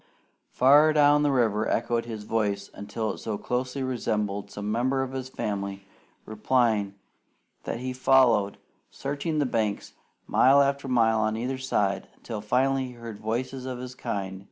Far down the river echoed his voice until it so closely resembled some member of his family replying that he followed, searching the banks mile after mile on either side, until finally he heard voices of his kind.